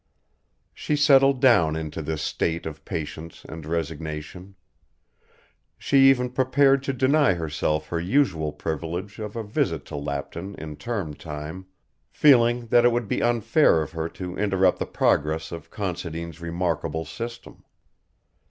She settled down into this state of patience and resignation. She even prepared to deny herself her usual privilege of a visit to Lapton in term time, feeling that it would be unfair of her to interrupt the progress of Considine's remarkable system.